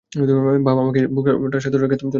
বাবা, আমাকে এই বোকাটার সাথে রেখে তুমি চলে গেলে।